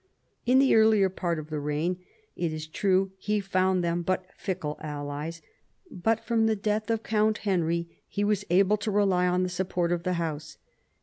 In the earlier part of the reign, it is true, he found them but fickle allies ; but from the death of Count Henry he was able to rely on the support of the house.